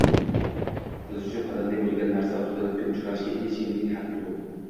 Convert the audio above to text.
Siz uchun qadrli bo’lgan narsa ustidan hukm chiqarishga hech kimning haqqi yo’q